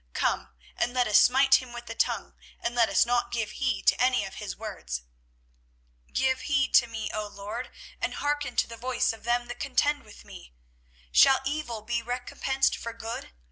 Come, and let us smite him with the tongue, and let us not give heed to any of his words. 24:018:019 Give heed to me, O LORD, and hearken to the voice of them that contend with me. 24:018:020 Shall evil be recompensed for good?